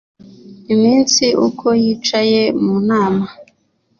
iminsi, uko yicaye mu nama